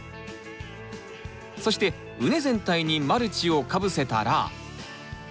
そして畝全体にマルチをかぶせたら。